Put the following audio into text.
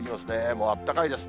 もうあったかいです。